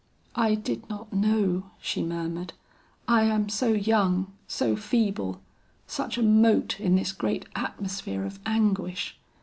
"I did not know," she murmured. "I am so young, so feeble, such a mote in this great atmosphere of anguish.